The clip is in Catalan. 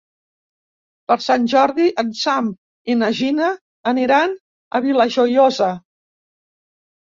Per Sant Jordi en Sam i na Gina aniran a la Vila Joiosa.